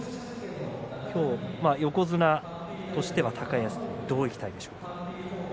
今日は横綱としては高安戦、どういきたいでしょうか。